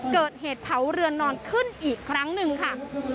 เกิดเหตุเผาเรือนนอนขึ้นอีกครั้งหนึ่งค่ะ